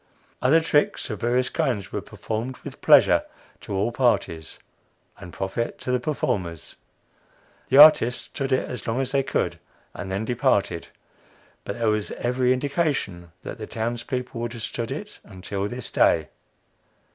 "Other tricks of various kinds were performed with pleasure to all parties and profit to the performers. The artists stood it as long as they could, and then departed. But there was every indication that the towns people would have stood it until this day."